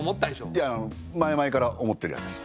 いや前々から思ってるやつです